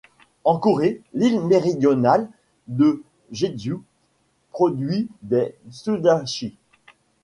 En Corée l'ile méridionale de Jeju produit des sudachi.